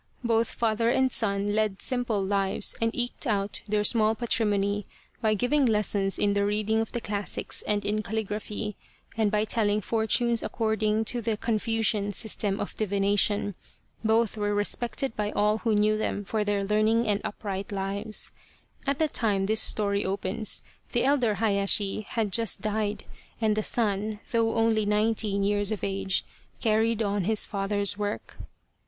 Both father and son led simple lives and eked out their small patrimony by giving lessons in the reading of the classics and in calligraphy, and by telling for tunes according to the Confucian system of divination. Both were respected by all who knew them for their learning and upright lives. At the time this story opens the elder Hayashi had just died and the son, though only nineteen years of age, carried on his father's work.